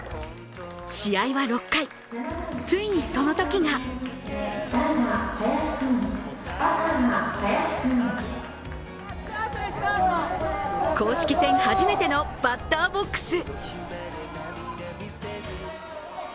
試合は６回、ついにその時が公式戦初めてのバッターボックス。